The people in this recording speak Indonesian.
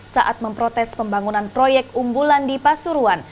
saat memprotes pembangunan proyek umbulan di pasuruan